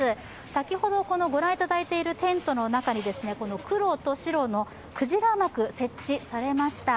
先ほど、御覧いただいているテントの中にこの黒と白の鯨幕設置されました。